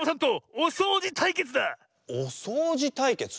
おそうじたいけつ？